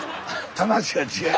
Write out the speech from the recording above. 話が違う！